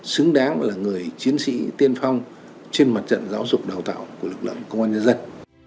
xứng đáng là người chiến sĩ tiên phong trên mặt trận giáo dục đào tạo của lực lượng công an nhân dân